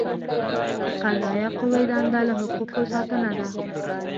د قضائیه قوې دنده له حقوقو ساتنه ده.